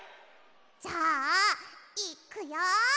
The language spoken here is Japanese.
じゃあいっくよ！